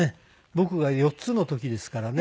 僕が４つの時ですからね。